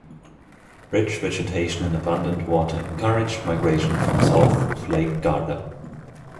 Rich vegetation and abundant water encouraged migration from south of Lake Garda.